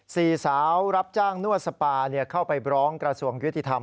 สี่สาวรับจ้างนวดสปาเข้าไปบร้องกระทรวงยุติธรรม